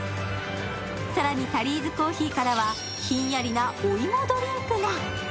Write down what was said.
更にタリーズコーヒーからはひんやりなお芋ドリンクが。